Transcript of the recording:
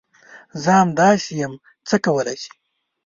زه همداسي یم ، څه کولی شې ؟